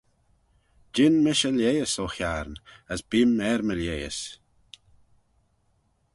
Jean mish y lheihys, O Hiarn, as bee'm er my lheihys.